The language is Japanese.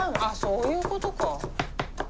あっそういうことか。